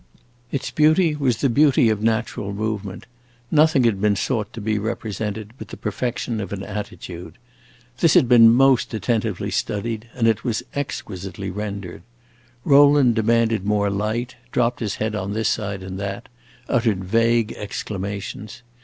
Its beauty was the beauty of natural movement; nothing had been sought to be represented but the perfection of an attitude. This had been most attentively studied, and it was exquisitely rendered. Rowland demanded more light, dropped his head on this side and that, uttered vague exclamations.